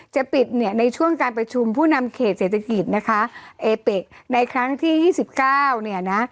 จะปิดเนี่ยในช่วงการประชุมผู้นำเขตเศรษฐกิจนะคะเอเปะในครั้งที่ยี่สิบเก้าเนี่ยนะ